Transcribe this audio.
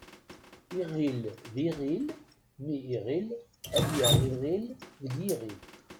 Iɣil d iɣil mi iɣil ad yaɣ iɣil deg yiɣil.